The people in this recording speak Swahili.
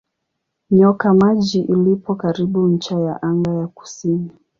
Nyoka Maji lipo karibu ncha ya anga ya kusini.